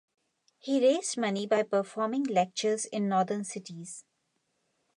He raised money by performing lectures in northern cities.